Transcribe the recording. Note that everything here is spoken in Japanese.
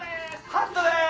「ハットです！